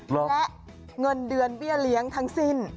และเงินเดือนเบี้ยเลี้ยงทั้งสิ้น